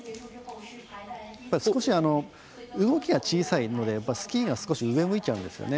少し、動きが小さいのでスキーが少し上向いちゃうんです。